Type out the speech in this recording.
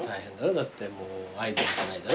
だってもうアイドルじゃないんだろ？